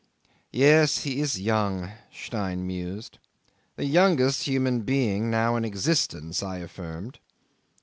"Yes; he is young," Stein mused. "The youngest human being now in existence," I affirmed.